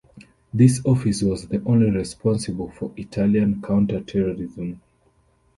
This office was the only responsible for Italian counter-terrorism.